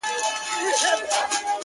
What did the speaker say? ځان به ولي د ښکاری و تور ته ورکړي -